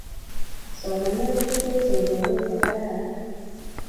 Somanet kutechei koret ne kararan